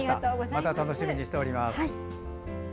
また楽しみにしております。